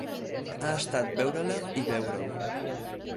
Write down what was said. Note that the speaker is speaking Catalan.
Ha estat veure-la i veure-ho.